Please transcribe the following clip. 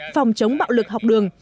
phòng chống bạo lực học đường